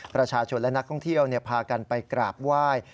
ประชาชนและนักท่องเที่ยวพากันไปกราบไหว้